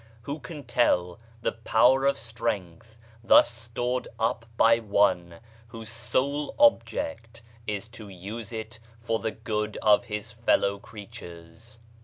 Who can tell the power of strength thus stored up by one whose sole object is to use it for the good of his fellow creatures